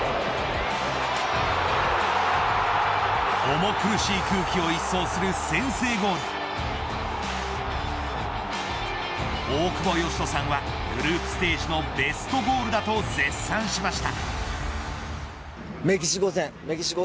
重苦しい空気を一掃する先制ゴール大久保嘉人さんはグループステージのベストゴールだと絶賛しました。